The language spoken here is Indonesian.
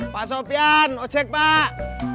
pak sopyan ojek pak